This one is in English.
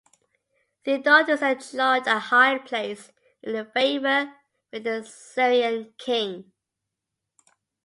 Theodotus enjoyed a high place in the favour with the Syrian king.